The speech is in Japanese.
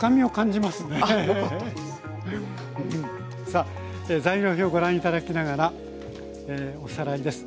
さあ材料表ご覧頂きながらおさらいです。